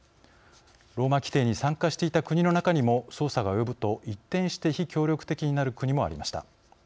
ローマ規程に参加していた国の中にも、捜査が及ぶと一転して非協力的になる国もありました。